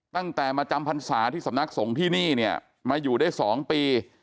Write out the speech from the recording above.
ตั้งแต่มาจำพันศาที่สำนักส่งที่นี่มาอยู่ได้๒ปี